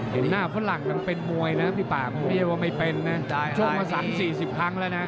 เห็นหน้าฝรั่งยังเป็นมวยนะพี่ป่ามันไม่ใช่ว่าไม่เป็นนะชกมา๓๔๐ครั้งแล้วนะ